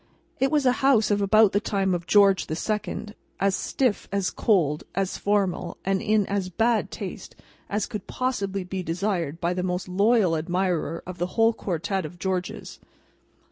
It was a house of about the time of George the Second; as stiff, as cold, as formal, and in as bad taste, as could possibly be desired by the most loyal admirer of the whole quartet of Georges.